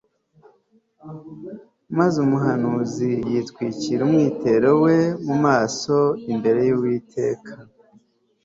maze umuhanuzi yitwikira umwitero we mu maso imbere yUwiteka